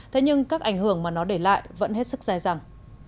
thế nhưng các ảnh hưởng mà nó để lại vẫn hết sức dài dẳng